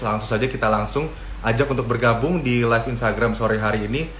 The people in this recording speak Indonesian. langsung saja kita langsung ajak untuk bergabung di live instagram sore hari ini